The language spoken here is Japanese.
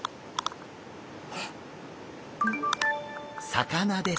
魚です！